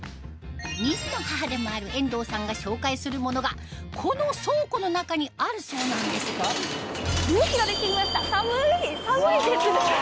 ２児の母でもある遠藤さんが紹介するものがこの倉庫の中にあるそうなんですが冷気が出て来ました